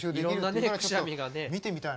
いろんなねくしゃみがね。